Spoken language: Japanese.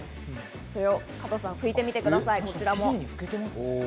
それを加藤さん、拭いてみてください。